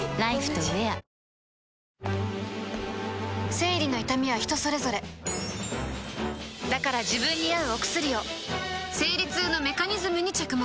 生理の痛みは人それぞれだから自分に合うお薬を生理痛のメカニズムに着目